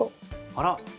あら。